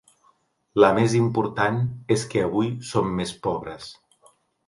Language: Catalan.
La més important és que avui som més pobres.